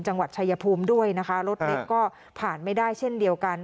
จังหวัดชายภูมิด้วยนะคะรถเล็กก็ผ่านไม่ได้เช่นเดียวกัน